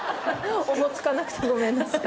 おぼつかなくてごめんなさい。